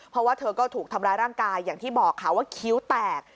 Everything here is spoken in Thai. เพราะว่าเธอก็ถูกทำร้ายร่างกายอย่างที่บอกค่ะว่าคิ้วแตก